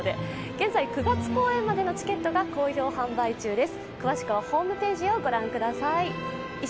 現在、９月公演までのチケットが好評販売中です。